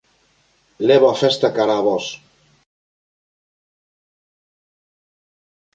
Levo a festa cara a vós.